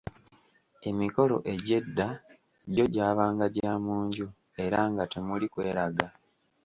Emikolo egy’edda gyo gyabanga gya munju era nga temuli kweraga.